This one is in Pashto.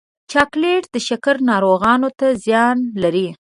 چاکلېټ د شکر ناروغانو ته زیان لري.